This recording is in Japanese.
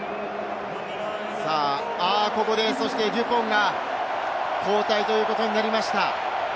ここでデュポンが交代ということになりました。